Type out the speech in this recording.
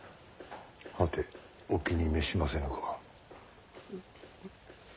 はてお気に召しませぬか？